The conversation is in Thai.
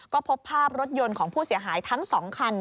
ก็พบภาพรถยนต์ของผู้เสียหายทั้ง๒คัน